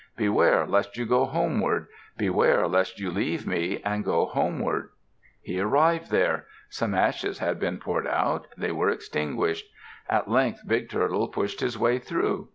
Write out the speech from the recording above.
Beware lest you go homeward. Beware lest you leave me and go homeward." He arrived there. Some ashes had been poured out. They were extinguished. At length Big Turtle pushed his way through.